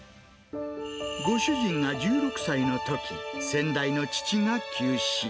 ご主人が１６歳のとき、先代の父が急死。